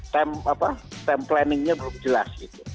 time planning nya belum jelas